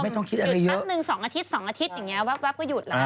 ไม่ต้องคิดอะไรเยอะวันนึง๒อาทิตย์๒อาทิตย์อย่างนี้วับก็หยุดแหละ